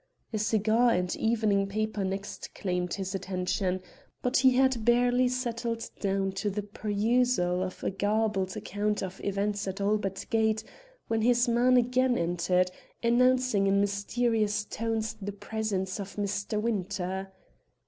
A cigar and evening paper next claimed his attention, but he had barely settled down to the perusal of a garbled account of events at Albert Gate when his man again entered, announcing in mysterious tones the presence of Mr. Winter.